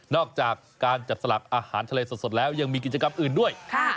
อกจากการจัดสลักอาหารทะเลสดแล้วยังมีกิจกรรมอื่นด้วย